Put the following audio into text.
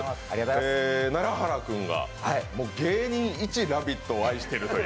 楢原君が芸人一「ラヴィット！」を愛しているという。